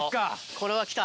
これは来た。